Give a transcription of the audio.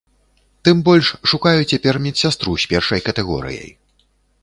Тым больш, шукаю цяпер медсястру з першай катэгорыяй.